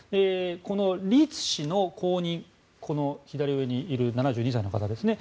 このリツ氏の後任左上にいる７２歳の方ですね。